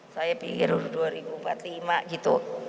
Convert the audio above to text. saya pikir dua ribu empat puluh lima gitu